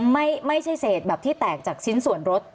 ไม่ใช่เศษแบบที่แตกจากชิ้นส่วนรถ